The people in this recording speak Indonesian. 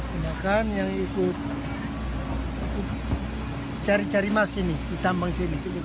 penakan yang ikut cari cari mas ini penambang sini